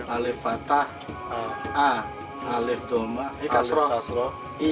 alif batak alif doma alif kasro